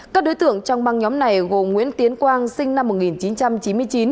các đối tượng trong băng nhóm này gồm nguyễn tiến quang sinh năm một nghìn chín trăm chín mươi chín